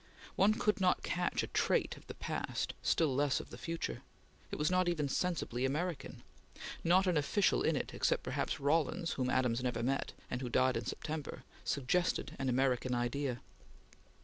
One could not catch a trait of the past, still less of the future. It was not even sensibly American. Not an official in it, except perhaps Rawlins whom Adams never met, and who died in September, suggested an American idea.